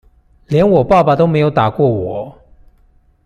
連我爸爸都沒有打過我